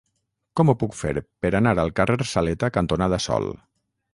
Com ho puc fer per anar al carrer Saleta cantonada Sol?